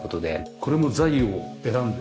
これも材を選んで。